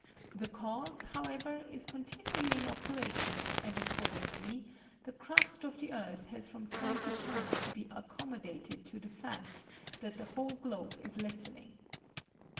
The cause, however, is continually in operation, and, accordingly, the crust of the earth has from time to time to be accommodated to the fact that the whole globe is lessening.